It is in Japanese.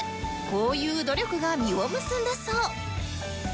こういう努力が実を結んだそう